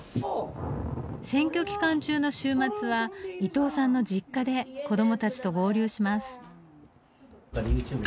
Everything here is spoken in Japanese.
選挙期間中の週末は伊藤さんの実家で子どもたちと合流します。